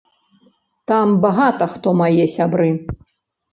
Там багата хто мае сябры.